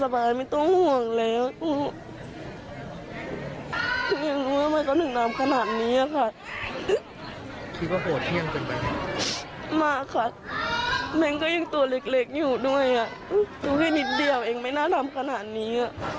ทำไมก็ถึงทำขนาดนี้คิดว่าโหดเที่ยงมากค่ะแม่งก็ยังตัวเล็กอยู่ด้วยดูให้นิดเดียวไม่น่าทำขนาดนี้